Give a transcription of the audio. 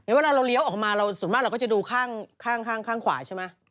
เวลาเราเลี้ยวออกมาเราส่วนมากเราก็จะดูข้างขวาใช่ไหม